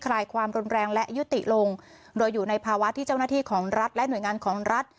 ลายความรุนแรงและยุติลงโดยอยู่ในภาวะที่เจ้าหน้าที่ของรัฐและหน่วยงานของรัฐ